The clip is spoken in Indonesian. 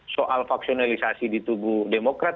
soal vaksinalisasi di tubuh demokrat